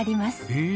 へえ！